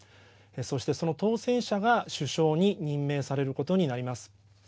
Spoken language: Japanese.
そして、その当選者が首相に任命されることになります。